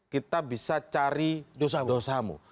kita bisa cari dosamu